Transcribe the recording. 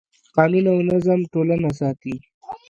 قانون او نظم ټولنه ساتي.